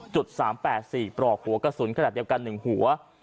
๓๘๔ปลอกหัวกระสุนขนาดเดียวกัน๑หัว